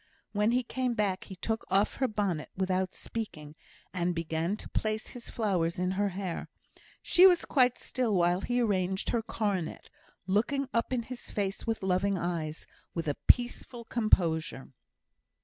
When he came back he took off her bonnet, without speaking, and began to place his flowers in her hair. She was quite still while he arranged her coronet, looking up in his face with loving eyes, with a peaceful composure.